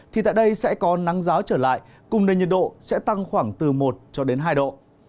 thì tại đây sẽ có nắng giáo trở lại cùng nền nhiệt độ sẽ tăng khoảng từ một cho đến hai độ